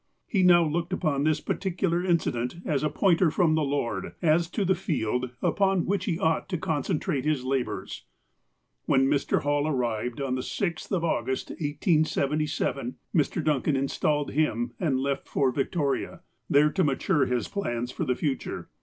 He now looked upon this particular incident as a pointer from the Lord as to the field upon which he ought to concentrate his labours. When Mr. Hall arrived, on the 6th of August, 1877, Mr. Duncan installed him and left for Victoria, there to mature his plans for the future.